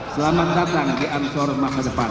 selamat datang di ansor masa depan